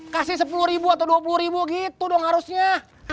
kasih rp sepuluh atau rp dua puluh gitu dong harusnya